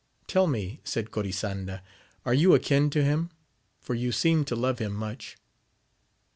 Tell me, said Corisanda, are you akin to him, for you seem to love him much